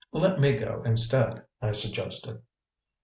"Let me go instead," I suggested.